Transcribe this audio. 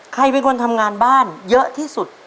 ใครเป็นคนทำงานบ้านเยอะที่สุด